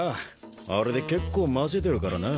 あれで結構ませてるからな。